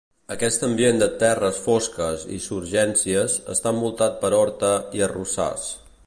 Aquest ambient de terres fosques i surgències està envoltat per horta i arrossars.